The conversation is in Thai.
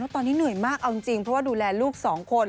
ตอนนี้เหนื่อยมากเอาจริงเพราะว่าดูแลลูก๒คน